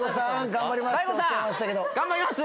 頑張ります。